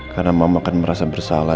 karena mama akan merasa bersalah